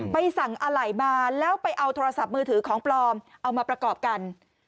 ไปสั่งอะไหล่มาแล้วไปเอาโทรศัพท์มือถือของปลอมเอามาประกอบกัน